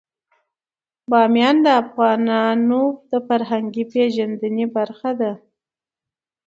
بامیان د افغانانو د فرهنګي پیژندنې برخه ده.